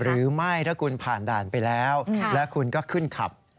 หรือไม่ถ้าคุณผ่านด่านไปแล้วแล้วคุณก็ขึ้นขับ